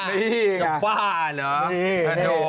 นี่นะนี่